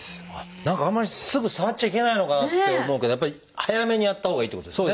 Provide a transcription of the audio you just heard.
何かあんまりすぐ触っちゃいけないのかなって思うけどやっぱり早めにやったほうがいいってことですね。